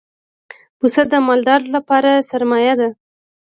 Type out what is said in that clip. پسه د مالدار لپاره سرمایه ده.